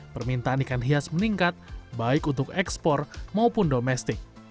permintaan ikan hias meningkat baik untuk ekspor maupun domestik